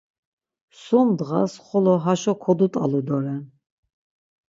Sum ndğas xolo haşo kodut̆alu doren.